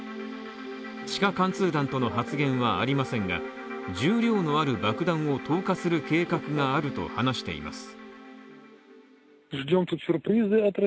地下貫通弾との発言はありませんが、重量のある爆弾を投下する計画があると話しています。